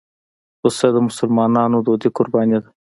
پسه د مسلمانانو دودي قرباني ده.